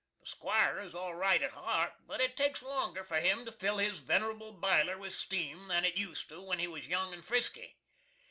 The 'Squire is all right at heart, but it takes longer for him to fill his venerable Biler with steam than it used to when he was young and frisky.